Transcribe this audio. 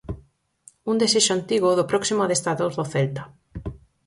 Un desexo antigo do próximo adestrador do Celta.